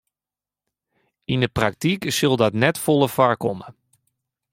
Yn 'e praktyk sil dat net folle foarkomme.